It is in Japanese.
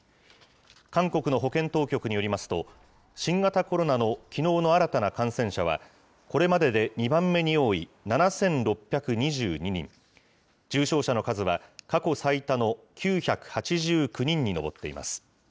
韓国の保健当局によりますと、新型コロナのきのうの新たな感染者は、これまでで２番目に多い７６２２人、重症者の数は過去最多の９８９人に上っています。